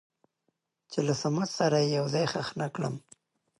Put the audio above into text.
چې له صمد سره يې يو ځاى خښ نه کړم.